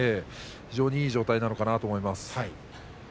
非常にいい状態なのかなと思ってます。